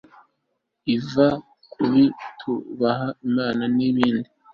iva kukutubaha imana ni bindi